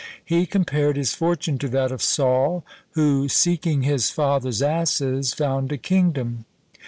He compared his fortune to that of Saul, who, seeking his father's asses, found a kingdom.